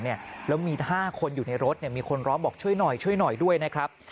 แล้วมี๕คนอยู่ในรถมีคนร้องบอกช่วยหน่อยช่วยหน่อยด้วยนะครับ